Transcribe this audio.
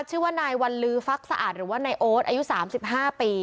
ชื่อว่านายวัลลือฟักสะอาดหรือว่านายโอ๊ตอายุ๓๕ปี